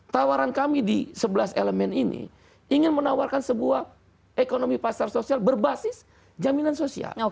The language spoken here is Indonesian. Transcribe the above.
tawaran kami di sebelas elemen ini ingin menawarkan sebuah ekonomi pasar sosial berbasis jaminan sosial